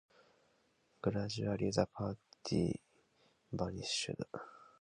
Gradually the party vanished.